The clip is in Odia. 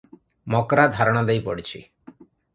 ମକ୍ରା ଧାରଣା ଦେଇ ପଡ଼ିଛି ।